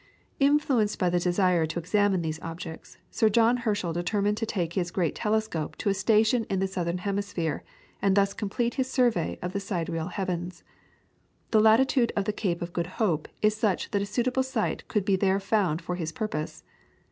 Influenced by the desire to examine these objects, Sir John Herschel determined to take his great telescope to a station in the southern hemisphere, and thus complete his survey of the sidereal heavens. The latitude of the Cape of Good Hope is such that a suitable site could be there found for his purpose.